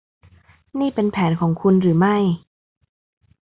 นี่เป็นแผนของคุณหรือไม่